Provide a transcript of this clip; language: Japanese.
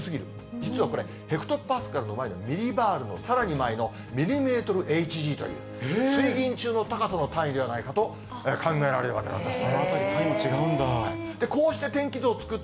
実はこれ、ヘクトパスカルの前のミリバールのさらに前の、ミリメートルエイチジーという水銀柱の高さの単位ではないかと考えられるわけなんですね。